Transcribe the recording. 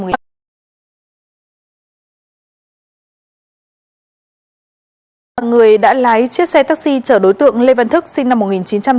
người đã lái chiếc xe taxi chở đối tượng lê văn thức sinh năm một nghìn chín trăm tám mươi